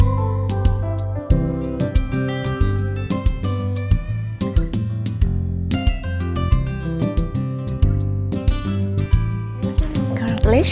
ini yang terbaik